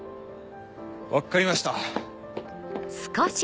分かりました。